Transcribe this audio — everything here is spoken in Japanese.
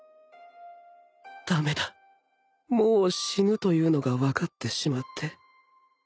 駄目だもう死ぬというのが分かってしまって